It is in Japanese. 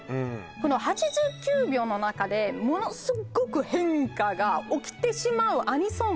この８９秒の中でものすごく変化が起きてしまうアニソン